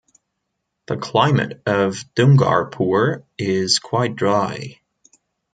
The climate of Dungarpur is quite dry.